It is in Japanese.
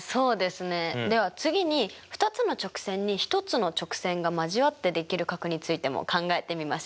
では次に２つの直線に１つの直線が交わってできる角についても考えてみましょうか。